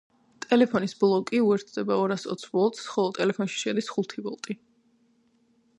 ტელეფონის ბლოკი უერთდება ორას ოც ვოლტს, ხოლო ტელეფონში შედის ხუთი ვოლტი.